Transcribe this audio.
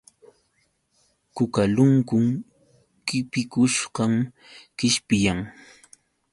Kukalunkun qipikushqam qishpiyan.